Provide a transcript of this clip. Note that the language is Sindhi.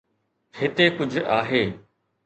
هتي ڪجهه آهي.